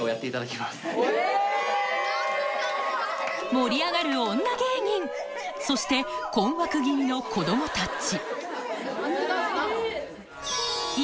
盛り上がる女芸人そして困惑気味の子どもたち